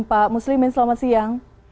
pak muslimin selamat siang